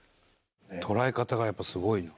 捉え方がやっぱすごいな。